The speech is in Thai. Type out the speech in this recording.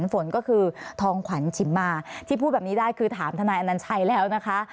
ฝนก็คือทองขวัญชิมมาที่พูดแบบนี้ได้คือถามทนายอนัญชัยแล้วนะคะ